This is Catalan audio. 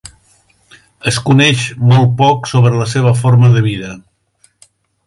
Es coneix molt poc sobre la seva forma de vida.